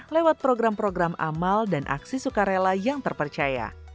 lewat program program amal dan aksi sukarela yang terpercaya